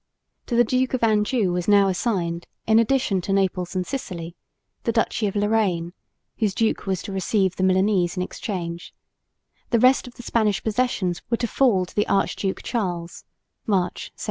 To the Duke of Anjou was now assigned, in addition to Naples and Sicily, the duchy of Lorraine (whose duke was to receive the Milanese in exchange); the rest of the Spanish possessions were to fall to the Archduke Charles (March, 1700).